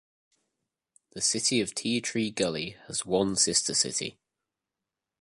The City of Tea Tree Gully, has one sister city.